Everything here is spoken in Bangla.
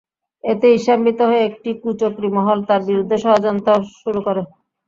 এতে ঈর্ষান্বিত হয়ে একটি কুচক্রী মহল তাঁর বিরুদ্ধে ষড়যন্ত্র শুরু করে।